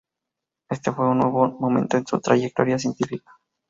Este fue un nuevo momento en su trayectoria científica.